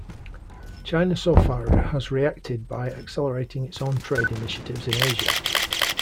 China so far has reacted by accelerating its own trade initiatives in Asia.